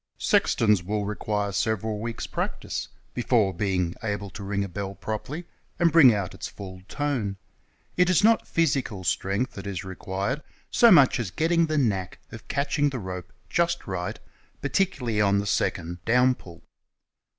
Sextons will require several weeks' practice before being able to ring a bell jiropcrly and bring out its full tone. It is not physical strength that is required so much as getting "the knack" of catching the rope just right, particularly on the second "DOWN PULL."